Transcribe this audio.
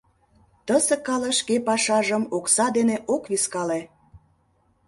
Тысе калык шке пашажым окса дене ок вискале.